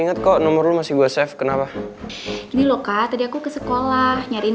inget kok nomor masih gue save kenapa ini loh kak tadi aku ke sekolah nyariin